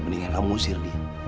mendingan kamu ngusir dia